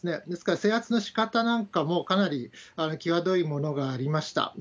ですから制圧のしかたなんかもかなりきわどいものがありました。